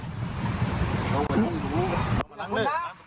ตรงนั้นตรงนู้น